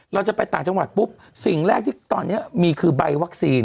เราจะไปต่างจังหวัดปุ๊บสิ่งแรกที่ตอนนี้มีคือใบวัคซีน